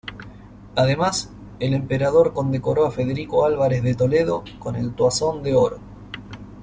Además, el emperador condecoró a Federico Álvarez de Toledo con el Toisón de Oro.